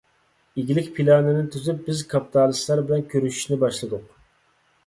ئىگىلىك پىلانىنى تۈزۈپ، بىز كاپىتالىستلار بىلەن كۆرۈشۈشنى باشلىدۇق.